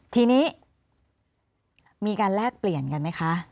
ทีนี้มีการแลกเปลี่ยนกันไหมคะ